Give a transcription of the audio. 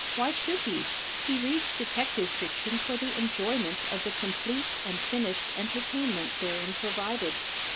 Why should he? He reads detective fiction for the enjoy ment of the complete and finished entertainment therein provided.